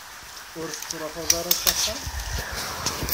Ur tettruḥuḍ ara s axxam?